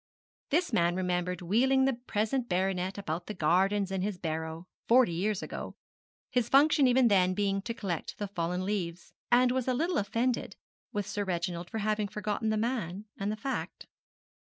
This man remembered wheeling the present baronet about the gardens in his barrow, forty years ago his function even then being to collect the fallen leaves and was a little offended with Sir Reginald for having forgotten the man and the fact.